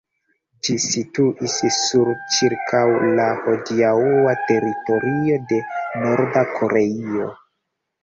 Ĝi situis sur ĉirkaŭ la hodiaŭa teritorio de Norda Koreio.